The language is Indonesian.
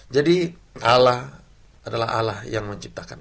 jadi allah adalah allah yang menciptakan